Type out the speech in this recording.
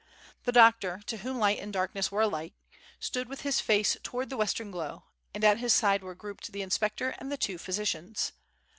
The doctor, to whom light and darkness were alike, stood with his face towards the western glow, and at his side were grouped the inspector and the two physicians.